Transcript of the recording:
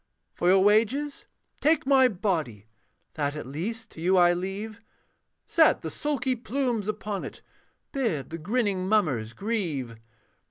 For your wages, take my body, That at least to you I leave; Set the sulky plumes upon it, Bid the grinning mummers grieve.